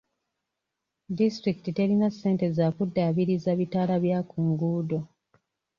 Disitulikiti terina ssente za kuddaabiriza bitaala bya kunguudo.